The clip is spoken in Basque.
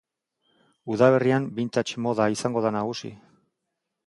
Udaberrian vintage moda izango da nagusi.